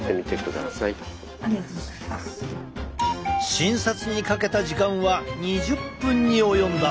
診察にかけた時間は２０分に及んだ。